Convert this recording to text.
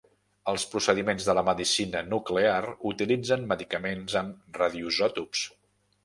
Els procediments de la medicina nuclear utilitzen medicaments amb radioisòtops.